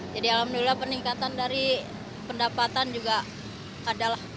jadi alhamdulillah peningkatan dari pendapatan juga ada lah